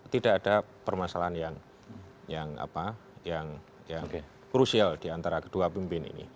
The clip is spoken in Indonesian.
tidak ada permasalahan yang krusial diantara kedua pimpin ini